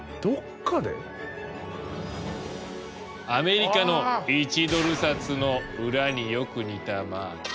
アメリカの１ドル札の裏によく似たマーク。